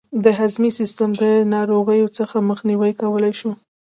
د هضمي سیستم له ناروغیو څخه مخنیوی کولای شو.